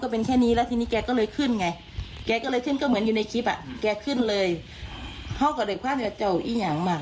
ตอนแรกด้านแรกรู้มั้ยคะว่าเขาเป็นตำรวจรู้มั้ย